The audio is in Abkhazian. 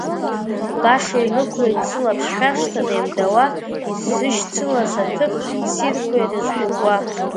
Баша инықәлоит сылаԥш шәашҭа неимдауа, изышьцылаз аҭыԥ ссирқәа ирызгәыкуа.